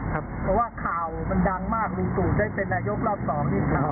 เพราะว่าข่าวมันดังมากมีตู่ได้เป็นนายกรัฐสองอีกครับ